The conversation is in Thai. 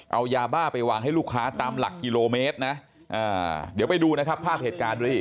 เอายาบ้าไปวางให้ลูกค้าตามหลักกิโลเมตรนะเดี๋ยวไปดูนะครับภาพเหตุการณ์ด้วย